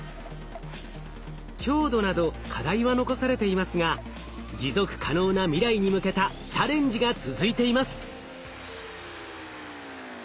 強度など課題は残されていますが持続可能な未来に向けたチャレンジが続いています。